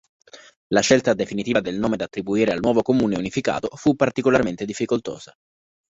La scelta definitiva del nome da attribuire al nuovo comune unificato fu particolarmente difficoltosa.